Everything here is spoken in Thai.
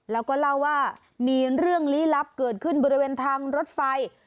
แล้วก็เล่าว่ามีเรื่องลี้ลับเกิดขึ้นบริเวณทางรถไฟ